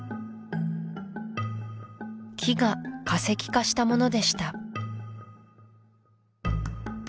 木が化石化したものでした